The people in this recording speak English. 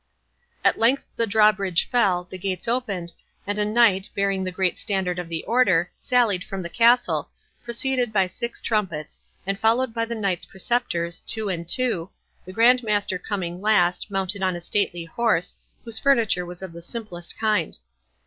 At length the drawbridge fell, the gates opened, and a knight, bearing the great standard of the Order, sallied from the castle, preceded by six trumpets, and followed by the Knights Preceptors, two and two, the Grand Master coming last, mounted on a stately horse, whose furniture was of the simplest kind.